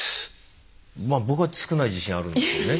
まあ僕は少ない自信あるんですけどね。